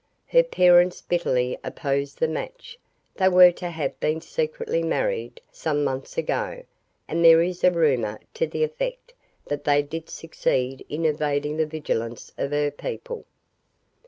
Her parents bitterly oppose the match. They were to have been secretly married some months ago, and there is a rumor to the effect that they did succeed in evading the vigilance of her people."